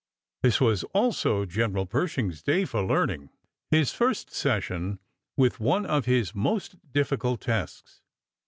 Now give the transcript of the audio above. This was also General Pershing's day for learning his first session with one of his most difficult tasks.